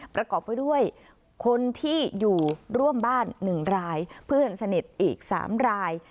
ประกอบไปด้วยคนที่อยู่ร่วมบ้าน๑รายเพื่อนสนิทอีก๓ราย